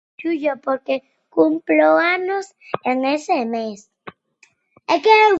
Xullo porque cumplo anos en ese mes. É que eu.